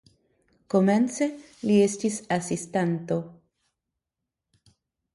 Komence li estis asistanto.